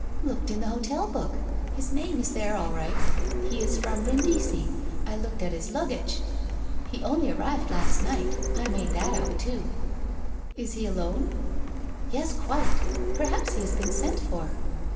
'' Looked in the hotel book. His name is there all right. He is from Brindisi, I looked at his luggage. He only arrived last night. I made that out, too.' ' Is he alone ?'' Yes, quite. Perhaps he has been sent for